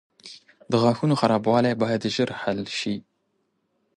• د غاښونو خرابوالی باید ژر حل شي.